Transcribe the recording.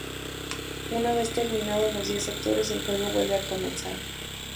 Una vez terminados los diez sectores, el juego vuelve a comenzar.